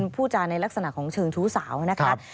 พูดจาในลักษณะของเชิงชู้สาวนะครับ